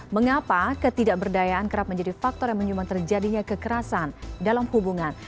mengapa ketidakberdayaan kerap menjadi faktor yang menyumbang terjadinya kekerasan dalam hubungan